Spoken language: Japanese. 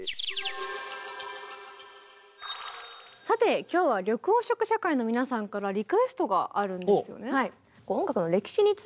さて今日は緑黄色社会の皆さんからリクエストがあるんですよね？